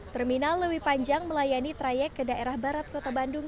terminal lewi panjang melayani trayek ke daerah barat kota bandung